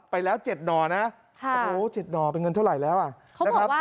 ไปแล้ว๗หน่อนะฮะ๗หน่อเป็นเงินเท่าไรแล้วอ่ะ